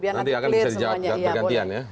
biar nanti akan bisa dijadikan pergantian ya